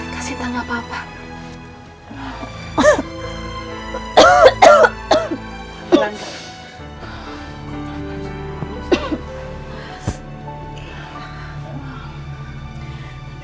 kasih entah apa apa